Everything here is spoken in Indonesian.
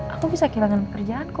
aku bisa kehilangan kemampuan aku